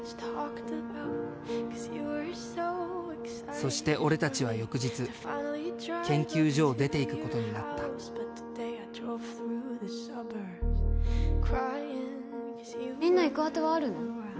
そして俺たちは翌日研究所を出て行くことになったみんな行く当てはあるの？